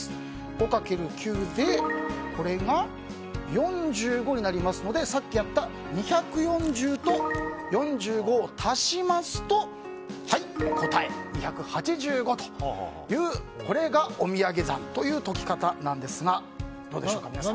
５×９でこれが４５になりますのでさっきやった２４０と４５を足しますと答え、２８５というこれがおみやげ算という解き方なんですがどうでしょうか、皆さん。